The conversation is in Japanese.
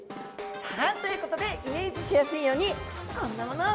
さあということでイメージしやすいようにこんなものをギョ用意いただきました。